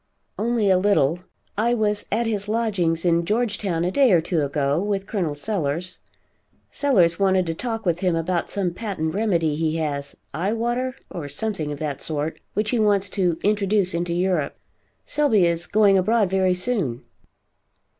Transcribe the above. "Only a little. I was at his lodgings' in Georgetown a day or two ago, with Col. Sellers. Sellers wanted to talk with him about some patent remedy he has, Eye Water, or something of that sort, which he wants to introduce into Europe. Selby is going abroad very soon."